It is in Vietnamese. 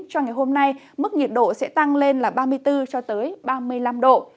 cho ngày hôm nay mức nhiệt độ sẽ tăng lên là ba mươi bốn ba mươi năm độ